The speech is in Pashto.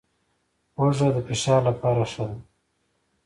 هوږه د فشار لپاره ښه ده